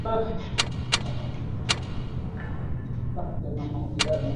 তার পিতার নাম মোহাম্মদ এয়ার খন্দকার।